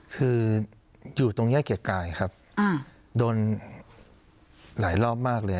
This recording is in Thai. คืออยู่ตรงแยกเกียรติกายครับโดนหลายรอบมากเลย